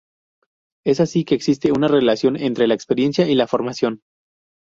Es así que existe una relación entre la experiencia y la formación.